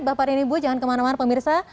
bapak dan ibu jangan kemana mana pemirsa